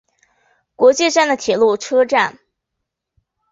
国见站的铁路车站。